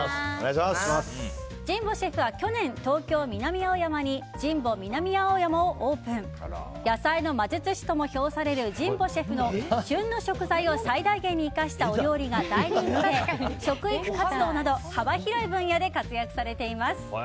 神保シェフは去年東京・南青山にジンボ南青山をオープン野菜の魔術師とも評される神保シェフの旬の食材を最大限に生かしたお料理が大人気で食育活動など幅広い分野で活躍されています。